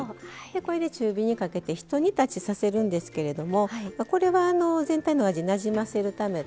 これで中火にかけてひと煮立ちさせるんですけれどもこれは全体のお味なじませるため。